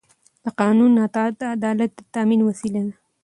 د قانون اطاعت د عدالت د تامین وسیله ده